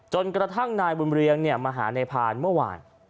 จนกระทั่งนายบุญเรียงมาหานายพานเมื่อวาน